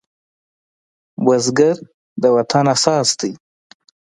بزګر د وطن اساس دی